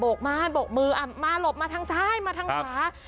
กมาโบกมือมาหลบมาทางซ้ายมาทางขวา